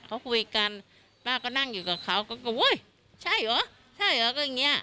เขาคุยกันป้าก็นั่งอยู่กับเขาก็อุ้ยใช่เหรอใช่เหรอก็อย่างเงี้